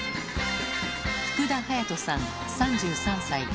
福田隼人さん３３歳。